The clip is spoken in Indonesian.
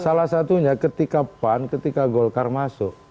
salah satunya ketika pan ketika golkar masuk